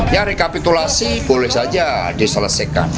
ya rekapitulasi boleh saja diselesaikan